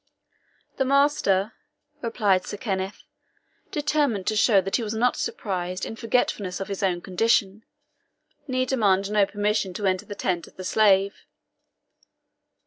"The master," replied Sir Kenneth, determined to show that he was not surprised into forgetfulness of his own condition, "need demand no permission to enter the tent of the slave."